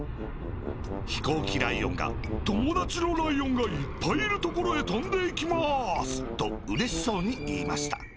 ひこうきライオンが「ともだちのライオンがいっぱいいるところへとんでいきます」とうれしそうにいいました。